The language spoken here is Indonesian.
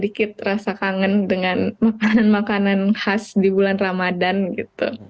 buat istri kok berhenti terharap akan melehekkan saya di sini tapi jadi buckingham palace dibel gospel